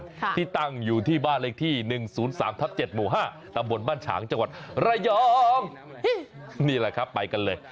ค่ะที่ตั้งอยู่ที่บ้านเลขที่๑๐๓ทัพ๗หมู่๕ตำบลบ้านฉางจังหวัดไรยองนี่แหละครับไปกันเลย